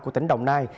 của tỉnh đồng nai